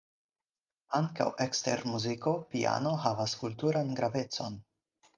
Ankaŭ ekster muziko piano havas kulturan gravecon.